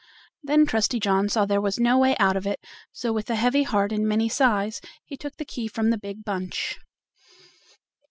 Then Trusty John saw there was no way out of it, so with a heavy heart and many sighs he took the key from the big bunch.